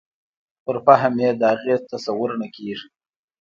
پر فهم یې د اغېز تصور نه کېږي.